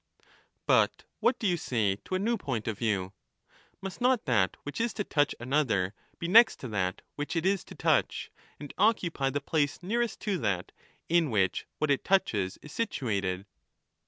But what do you say to a new point of view ? Must not that which is to touch another be next to that which it is to touch, and occupy the place nearest to that in which what it touches is situated